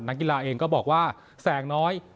นักกีฬาเองก็บอกว่าแสงน้อย